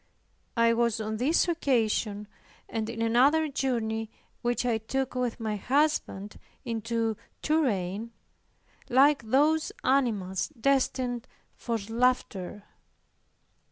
I was on this occasion, and in another journey which I took with my husband into Touraine, like those animals destined for slaughter.